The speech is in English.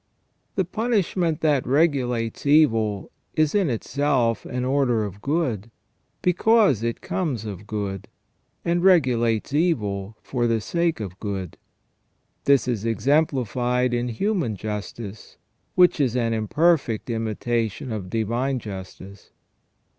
The punishment that regulates evil is in itself an order of good, because it comes of good, and regulates evil for the sake of good. 'rtiis is exemplified in human justice, which is an imperfect imitation of divine justice.